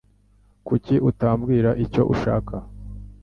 Kuki utambwira icyo ushaka?